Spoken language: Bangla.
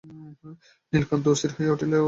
নীলকান্ত অস্থির হইয়া উঠিয়া কহিল–অ্যাঁ, করিয়াছ কী!